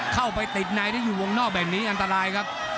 เข้าไปติดในที่อยู่วงนอกแบบนี้อันตรายครับ